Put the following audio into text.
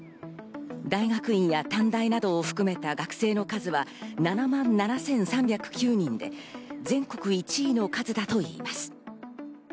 大学院や短大などを含めた学生の数は７万７３０９人で、全国１位の数だといいます。